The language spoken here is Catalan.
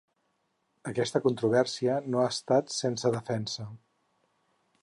Aquesta controvèrsia no ha estat sense defensa.